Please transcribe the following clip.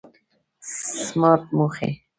سمارټ موخې